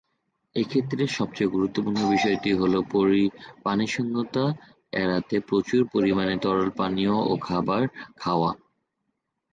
এক্ষেত্রে সবচেয়ে গুরুত্বপূর্ণ বিষয়টি হল পানিশূণ্যতা এড়াতে প্রচুর পরিমাণে তরল পানীয় ও খাবার খাওয়া।